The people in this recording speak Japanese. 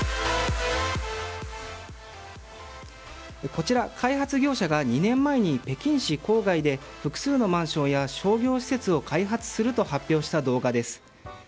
こちら、開発業者が２年前に北京市郊外で複数のマンションや商業施設を開発すると発表した動画です。